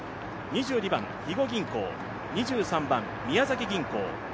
２２番、肥後銀行、２３番、宮崎銀行。